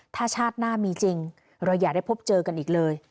ถ้าชาติหน้ามีจริงเราอย่าได้พบเจอกันอีกเลย